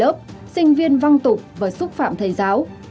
trên ra khỏi lớp sinh viên văng tục và xúc phạm thầy giáo